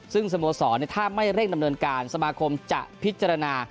ซึ่งสโมสรถ้าไม่เร่งดำเนินการสมาคมจะพิจารณา